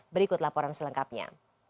berikut laporan selengkapnya